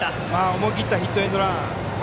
思い切ったヒットエンドラン。